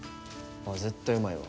ああ絶対うまいわ。